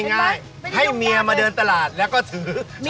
ง่ายให้เมียมาเดินตลาดแล้วก็ถือ